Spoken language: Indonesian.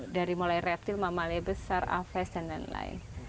dari mulai reptil mamale besar aves dan lain lain